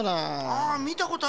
ああみたことある。